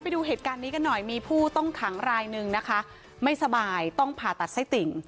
ไปดูเหตุการณ์นี้กันหน่อยมีผู้ต้องขังรายหนึ่งนะคะไม่สบายต้องผ่าตัดไส้ติ่ง